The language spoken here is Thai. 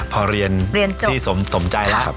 พอเรียนที่สมใจแล้ว